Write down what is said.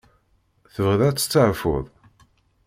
Tebɣiḍ ad testeɛfuḍ?